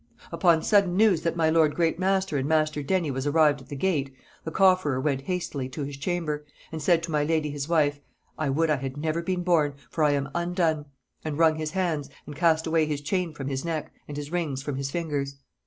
"Upon sudden news that my lord great master and master Denny was arrived at the gate, the cofferer went hastily to his chamber, and said to my lady his wife, 'I would I had never been born, for I am undone,' and wrung his hands, and cast away his chain from his neck, and his rings from his fingers.